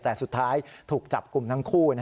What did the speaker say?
แต่สุดท้ายถูกจับกลุ่มทั้งคู่